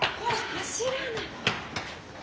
走らない。